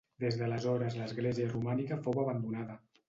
Des d'aleshores l'església romànica fou abandonada.